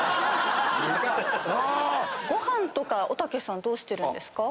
ご飯とかおたけさんどうしてるんですか？